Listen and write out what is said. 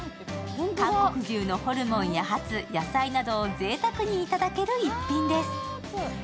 韓国牛のホルモンやハツ、野菜などをぜいたくにいただける逸品です。